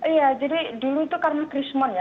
iya jadi dulu itu karena krismon ya